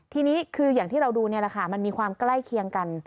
ทีนี้คืออย่างที่เราดูนี่แหละค่ะมันมีความใกล้เคียงกัน